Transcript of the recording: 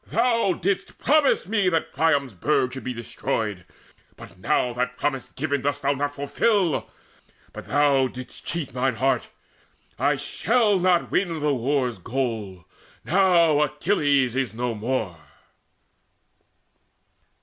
Thou didst promise me That Priam's burg should be destroyed; but now That promise given dost thou not fulfil, But thou didst cheat mine heart: I shall not win The war's goal, now Achilles is no more."